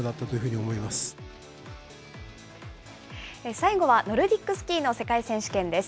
最後はノルディックスキーの世界選手権です。